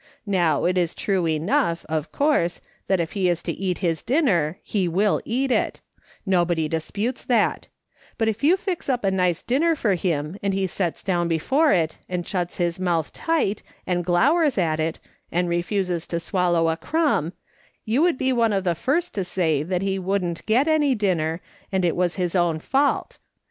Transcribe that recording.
Now it is true enough, of course, that if he is to eat his dinner he will eat it ; nobody disputes that ; but if you fix up a nice dinner for him and he sets down before it, and shuts his mouth tight, and glowers at it, and refuses to swallow a crumb, you would be one of the first to say that he wouldn't get any dinner, and it was his own fault.